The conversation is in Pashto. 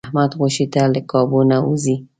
احمد غوښې ته له کابو نه و ځي.